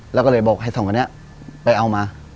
แล้วก็เลยบอกให้สองคนนี้ไปเอามา